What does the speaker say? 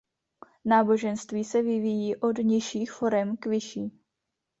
Náboženství se vyvíjí od nižších forem k vyšší.